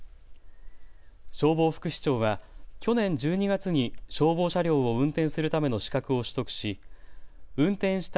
消防副士長は去年１２月に消防車両を運転するための資格を取得し運転した